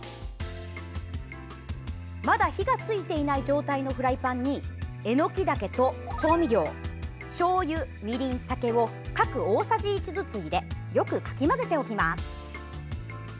まだ火がついていない状態のフライパンにえのきだけと調味料、しょうゆみりん、酒を各大さじ１ずつ入れよくかき混ぜておきます。